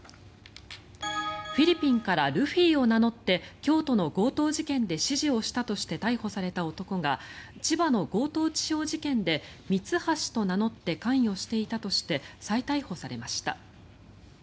フィリピンからルフィを名乗って京都の強盗事件で指示をしたとして逮捕された男が千葉の強盗致傷事件でミツハシと名乗って関与していたとして再逮捕されました。